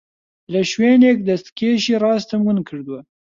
لە شوێنێک دەستکێشی ڕاستم ون کردووە.